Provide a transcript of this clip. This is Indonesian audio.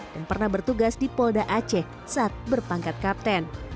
dan pernah bertugas di polda aceh saat berpangkat kapten